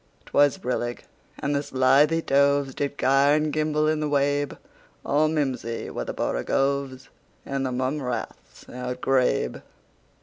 'T was brillig, and the slithy tovesDid gyre and gimble in the wabe; All mimsy were the borogoves, And the mome raths outgrabe.